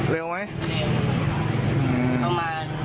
เร็วไหม